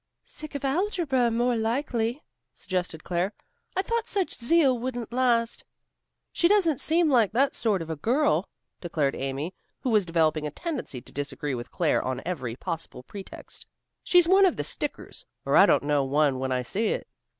"Sick of algebra, more likely," suggested Claire. "I thought such zeal wouldn't last." "She doesn't seem like that sort of a girl," declared Amy, who was developing a tendency to disagree with Claire on every possible pretext. "She's one of the stickers, or I don't know one when I see it."